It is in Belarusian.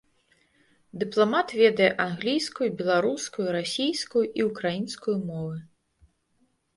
Дыпламат ведае англійскую, беларускую, расійскую і ўкраінскую мовы.